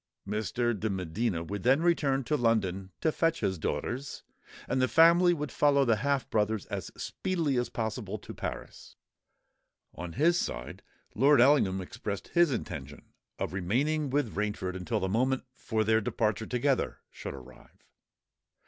Mr. de Medina would then return to London to fetch his daughters; and the family would follow the half brothers as speedily as possible to Paris. On his side, Lord Ellingham expressed his intention of remaining with Rainford until the moment for their departure together should arrive.